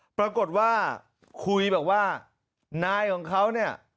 ปรากฏว่าคุยแบบว่านายของเขาเนี่ย